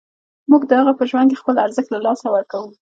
موږ د هغه په ژوند کې خپل ارزښت له لاسه ورکوو.